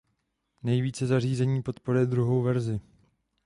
Nejvíce zařízení podporuje druhou verzi.